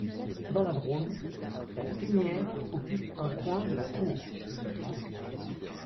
Dans la Drôme, la fumière occupe un coin de la cour.